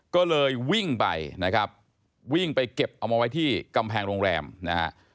ก็เลยวิ่งไปนะครับวิ่งไปเก็บเอามาไว้ที่กำแพงโรงแรมนะฮะ